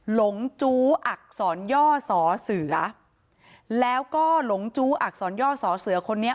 หลงจู้อักษรย่อสอเสือแล้วก็หลงจู้อักษรย่อสอเสือคนนี้